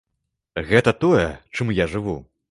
Гэта тое, чым я жыву.